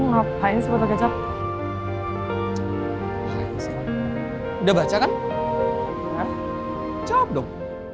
lu ngapain si beberapa jam